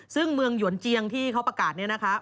ซึ่งเมืองหยวนเจียงที่เขาประกาศนี้นะคะ